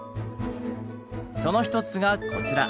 その一つがこちら。